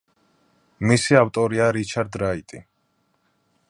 მისი ავტორია რიჩარდ რაიტი.